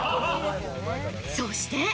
そして。